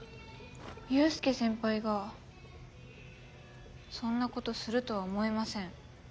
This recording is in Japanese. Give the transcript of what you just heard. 雄亮先輩がそんな事するとは思えません。